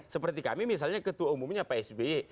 seperti kami misalnya ketua umumnya pak sby